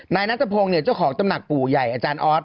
นายนัทพงศ์เจ้าของตำหนักปู่ใหญ่อาจารย์ออส